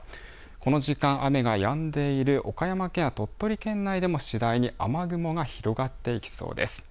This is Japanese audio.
この時間雨がやんでいる岡山県や鳥取県内ででも次第に雨雲が広がっていきそうです。